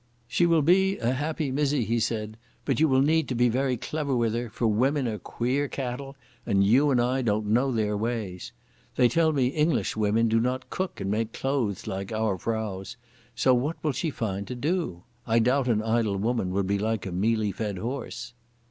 "She will be a happy mysie," he said, "but you will need to be very clever with her, for women are queer cattle and you and I don't know their ways. They tell me English women do not cook and make clothes like our vrouws, so what will she find to do? I doubt an idle woman will be like a mealie fed horse."